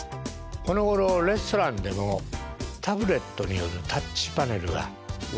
このごろレストランでのタブレットによるタッチパネルが多いですね。